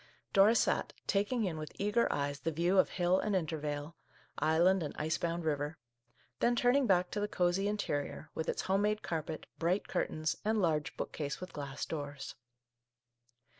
Dora sat, taking in with eager eyes the view of hill and intervale, island and ice bound river ; then turning back to the cosey interior, with its home made carpet, bright curtains, and large bookcase with glass doors.